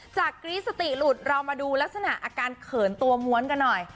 กรี๊ดสติหลุดเรามาดูลักษณะอาการเขินตัวม้วนกันหน่อย